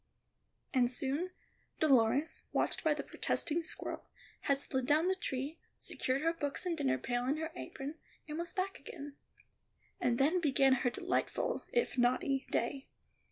And soon Dolores, watched by the protesting squirrel, had slid down the tree, secured her books and dinner pail in her apron, and was back again. And then began her delightful, if naughty, day.